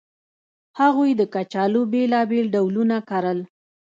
هغوی د کچالو بېلابېل ډولونه کرل